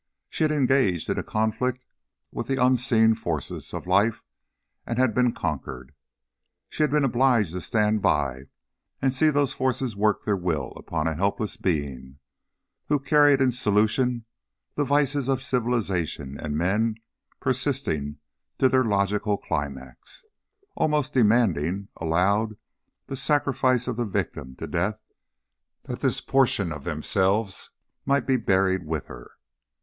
She had engaged in a conflict with the Unseen Forces of life and been conquered. She had been obliged to stand by and see these forces work their will upon a helpless being, who carried in solution the vices of civilizations and men persisting to their logical climax, almost demanding aloud the sacrifice of the victim to death that this portion of themselves might be buried with her.